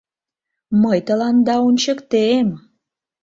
— Мый тыланда ончыктем...